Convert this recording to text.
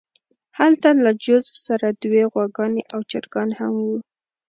هلته له جوزف سره دوې غواګانې او چرګان هم وو